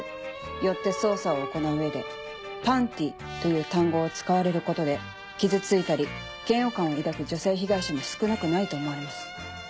よって捜査を行う上で「パンティ」という単語を使われることで傷ついたり嫌悪感を抱く女性被害者も少なくないと思われます。